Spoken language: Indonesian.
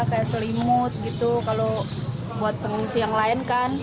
kayak selimut gitu kalau buat pengungsi yang lain kan